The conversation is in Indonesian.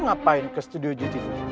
ngapain ke studio gtv